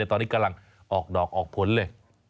ตอนนี้กำลังออกดอกออกผลเลย